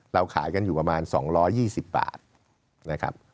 เราขายกันอยู่ประมาณ๒๒๐บาทนะครับ